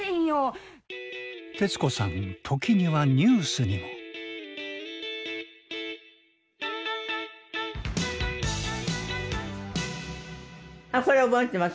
徹子さん時にはニュースにも。あっこれ覚えてます。